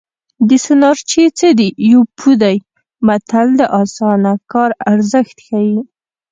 د سورناچي څه دي یو پو دی متل د اسانه کار ارزښت ښيي